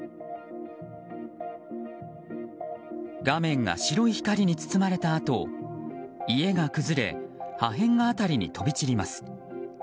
画面が白い光に包まれたあと家が崩れ破片が辺りに飛び散ります。